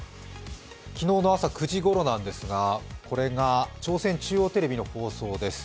昨日の朝９時ごろなんですがこれが朝鮮中央テレビの放送です。